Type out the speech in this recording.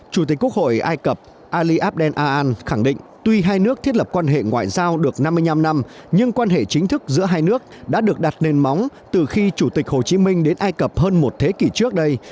chủ tịch quốc hội ai cập ali abdel aan khẳng định tuy hai nước thiết lập quan hệ ngoại giao được năm mươi năm năm nhưng quan hệ chính thức giữa hai nước đã được đặt nền móng từ khi chủ tịch hồ chí minh đến ai cập hơn một thế kỷ trước đây